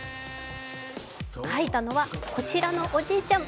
描いたのはこちらのおじいちゃん。